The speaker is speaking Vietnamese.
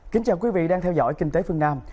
kính chào quý vị đang theo dõi kinh tế phương nam